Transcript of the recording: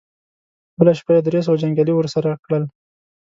بله شپه يې درې سوه جنګيالي ور سره کړل.